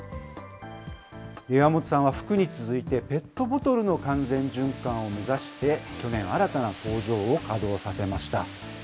岩元さんは服に続いて、ペットボトルの完全循環を目指して、去年、新たな工場を稼働させました。